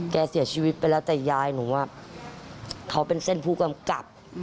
เสียชีวิตไปแล้วแต่ยายหนูเขาเป็นเส้นผู้กำกับ